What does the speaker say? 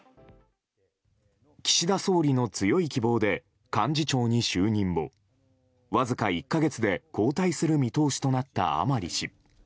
岸田総理の強い希望で幹事長に就任もわずか１か月で交代する見通しとなった甘利氏。